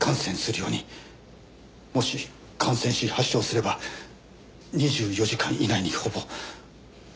もし感染し発症すれば２４時間以内にほぼ。